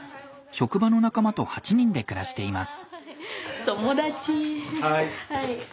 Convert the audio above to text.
職場の仲間と８人で暮らしています。